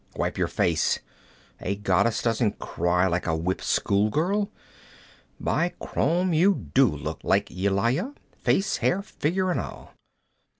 Wipe your face. A goddess doesn't cry like a whipped schoolgirl. By Crom, you do look like Yelaya, face, hair, figure and all!